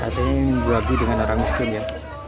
hati hati berhati dengan orang miskin ya